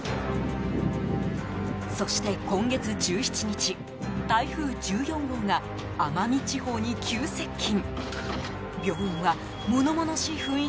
そして今月１７日台風１４号が奄美地方に急接近。